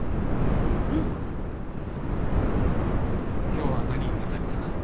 うんっ今日は何になさいますか？